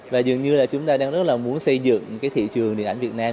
và dường như là chúng ta đang rất là muốn xây dựng cái thị trường điện ảnh việt nam